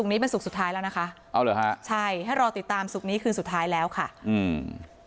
นี้เป็นศุกร์สุดท้ายแล้วนะคะเอาเหรอฮะใช่ให้รอติดตามศุกร์นี้คืนสุดท้ายแล้วค่ะอืม